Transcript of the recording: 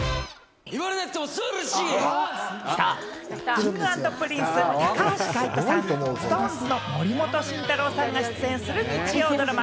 Ｋｉｎｇ＆Ｐｒｉｎｃｅ高橋海人さん、ＳｉｘＴＯＮＥＳの森本慎太郎さんが出演する日曜ドラマ